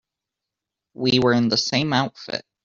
We were in the same outfit.